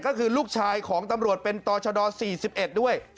ก็คือลูกชายของตำรวจเป็นต่อชด๔๑ด้วย